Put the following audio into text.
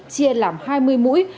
chia làm hai mươi mũi